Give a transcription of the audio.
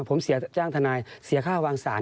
ผมเสียจ้างทนายเสียค่าวางสาร